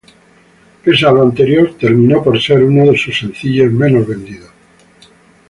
Pese a lo anterior, terminó por ser uno de sus sencillos menos vendidos.